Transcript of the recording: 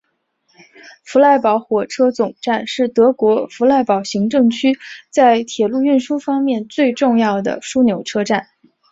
弗赖堡火车总站是德国弗赖堡行政区在铁路运输方面最重要的枢纽车站。